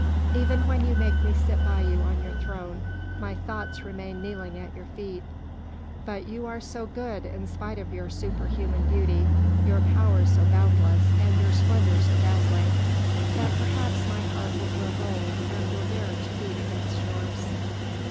"Even when you make me sit by you on your throne, my thoughts remain kneeling at your feet. But you are so good in spite of your superhuman beauty, your power so boundless and your splendour so dazzling, that perhaps my heart will grow bold and will dare to beat against yours."